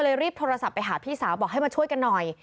รีบโทรศัพท์ไปหาพี่สาวบอกให้มาช่วยกันหน่อย